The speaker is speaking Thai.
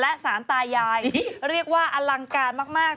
และสารตายายเรียกว่าอลังการมาก